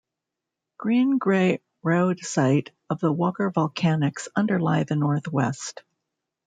Green grey rhyodacite of the Walker Volcanics underlie the north west.